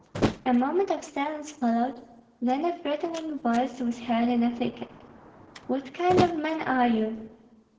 A moment of silence followed; then a threatening voice was heard in the thicket, "What kind of men are you?"